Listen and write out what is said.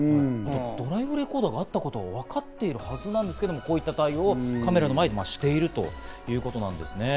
ドライブレコーダーがあったことはわかっているはずなんですけど、こういった対応をカメラの前でしているということなんですね。